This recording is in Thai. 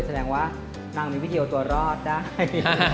แสดงว่านางมีวิดีโอตัวรอดได้